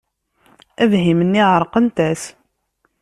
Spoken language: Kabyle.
Abhim-nni εerqent-as.